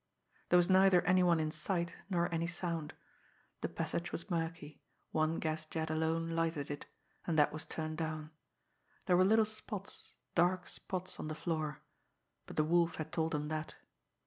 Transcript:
There was neither any one in sight, nor any sound. The passage was murky; one gas jet alone lighted it, and that was turned down. There were little spots, dark spots on the floor but the Wolf had told him that.